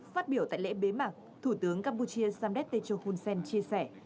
phát biểu tại lễ bế mạc thủ tướng campuchia samdet techo hunsen chia sẻ